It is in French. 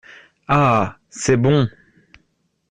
Ah, c’est bon !